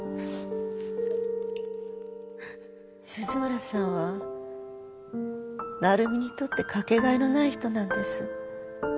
鈴村さんは成美にとってかけがえのない人なんです。